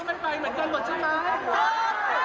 ลองไปดูเหตุการณ์ความชื่อระมวลที่เกิดอะไร